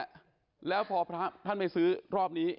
แล้วพอพระท่านไม่ซื้อรอบนี้